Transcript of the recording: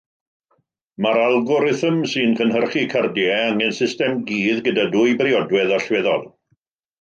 Mae'r algorithm sy'n cynhyrchu cardiau angen system-gudd gyda dwy briodwedd allweddol.